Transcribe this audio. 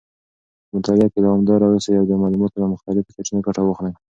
په مطالعه کې دوامداره اوسئ او د معلوماتو له مختلفو سرچینو ګټه واخلئ.